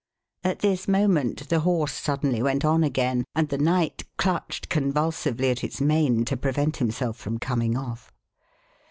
At this moment the horse suddenly went on again, and the Knight clutched convulsively at its mane to prevent himself from coming off.